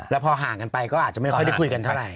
แล้วพอห่างกันไปก็อาจจะไม่ค่อยได้คุยกันเท่าไห